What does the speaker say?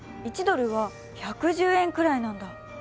１ドルは１１０円くらいなんだ。